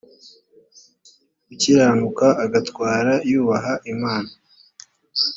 gukiranuka agatwara yubaha imana